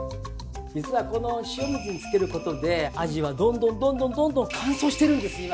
実はこの塩水につけることでアジはどんどんどんどんどんどん乾燥しているんです今。